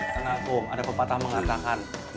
tengah kum ada pepatah mengatakan